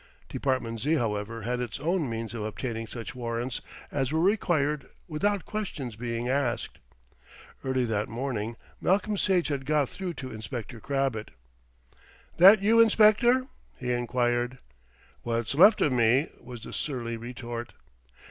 Department Z., however, had its own means of obtaining such warrants as were required without questions being asked. Early that morning Malcolm Sage had got through to Inspector Crabbett. "That you, Inspector?" he enquired. "What's left of me," was the surly retort.